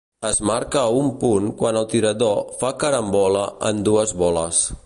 Es marca un punt quan el tirador fa carambola en dues boles.